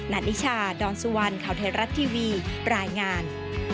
นานิชาดอนสุวรรณข่าวไทยรัฐทีวีรายงาน